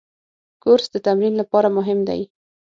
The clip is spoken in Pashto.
کورس د تمرین لپاره مهم دی.